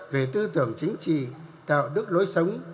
về tư tưởng chính trị đạo đức lối sống